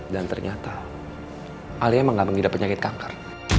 dan ternyata lia emang gak mengidap penyakit kanker